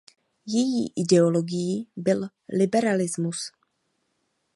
Její ideologií byl liberalismus.